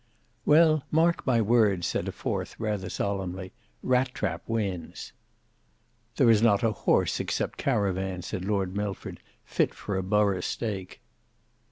"Well, mark my words," said a fourth, rather solemnly, "Rat trap wins." "There is not a horse except Caravan," said Lord Milford, "fit for a borough stake."